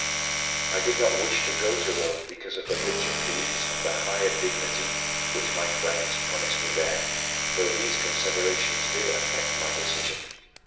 I did not wish to go to Rome because of the richer fees and the higher dignity which my friends promised me there though these considerations did affect my decision.